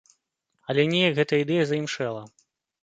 Але неяк гэтая ідэя заімшэла.